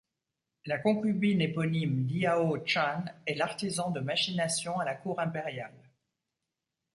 La concubine éponyme Diao Chan est l’artisan de machinations à la cour impériale.